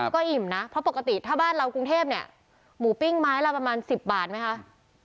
ก็อิ่มนะเพราะปกติถ้าบ้านเรากรุงเทพเนี่ยหมูปิ้งไม้ละประมาณ๑๐บาทไหมคะ